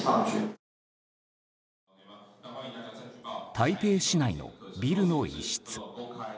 台北市内のビルの一室。